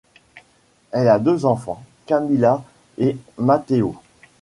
Elle a deux enfants, Camila et Mateo.